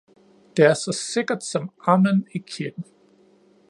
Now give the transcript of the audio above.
Det er så sikkert som amen i kirken.